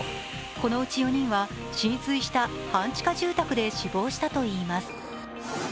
このうち４人は浸水した半地下住宅で死亡したといいます。